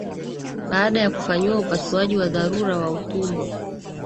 baada ya kufanyiwa upasuaji wa dharura wa utumbo